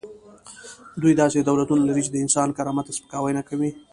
دوی داسې دولتونه لري چې د انسان کرامت ته سپکاوی نه کوي.